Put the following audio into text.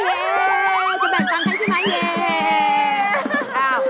จะแบ่งตังค์ให้ดิฉันใช่ไหม